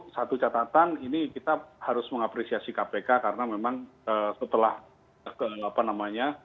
satu catatan ini kita harus mengapresiasi kpk karena memang sebetulnya